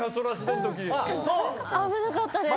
危なかったです。